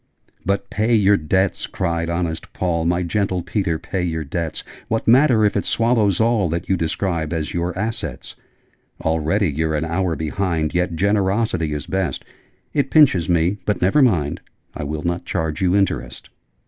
'But pay your debts!' cried honest Paul. 'My gentle Peter, pay your debts! What matter if it swallows all That you describe as your "assets"? Already you're an hour behind: Yet Generosity is best. It pinches me but never mind! I WILL NOT CHARGE YOU INTEREST!'